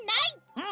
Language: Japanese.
うん。